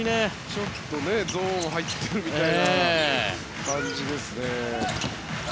ちょっとゾーンに入ってるみたいな感じですね。